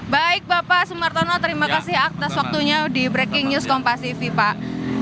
baik bapak sumartono terima kasih atas waktunya di breaking news compactv pak